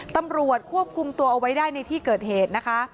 ตำรวจควบคุมตัวเอาไว้ได้ในที่เกิดเหตุนะคะ